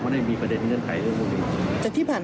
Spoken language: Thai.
ก็ไม่ได้หัวใครตั้งทาง